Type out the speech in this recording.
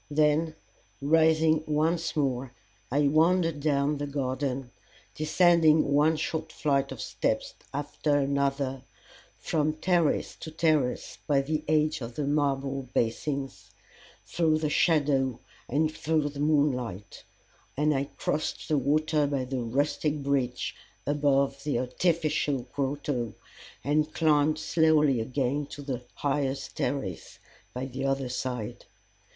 Then rising once more, I wandered down the garden, descending one short flight of steps after another from terrace to terrace by the edge of the marble basins, through the shadow and through the moonlight; and I crossed the water by the rustic bridge above the artificial grotto, and climbed slowly up again to the highest terrace by the other side.